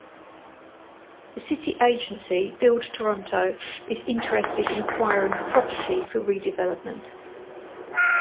The city agency Build Toronto is interested in acquiring the property for redevelopment.